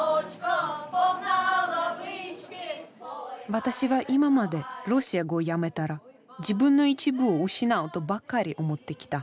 私は今までロシア語をやめたら自分の一部を失うとばかり思ってきた。